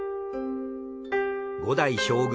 ５代将軍